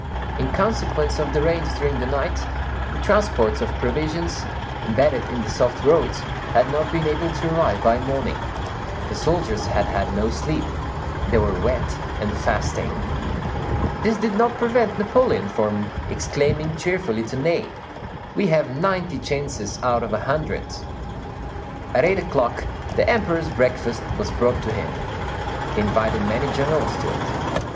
In consequence of the rains during the night, the transports of provisions, embedded in the soft roads, had not been able to arrive by morning; the soldiers had had no sleep; they were wet and fasting. This did not prevent Napoleon from exclaiming cheerfully to Ney, "We have ninety chances out of a hundred." At eight o'clock the Emperor's breakfast was brought to him. He invited many generals to it.